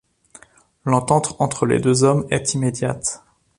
L'entente entre les deux hommes est immédiate.